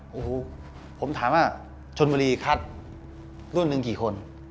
โอ้โหผมถามว่าชนบุรีคัดรุ่นหนึ่งกี่คน